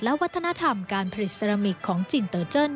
และวัฒนธรรมการผลิตเซรามิกของจินเตอร์เจิ้น